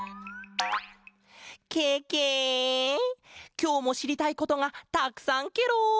きょうもしりたいことがたくさんケロ！